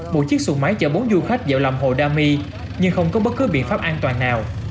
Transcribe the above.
bộ chiếc sụn máy chở bốn du khách vào lòng hồ đa my nhưng không có bất cứ biện pháp an toàn nào